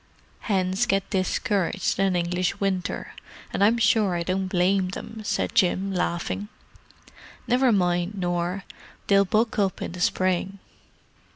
"Hens get discouraged in an English winter, and I'm sure I don't blame them," said Jim, laughing. "Never mind, Nor, they'll buck up in the spring."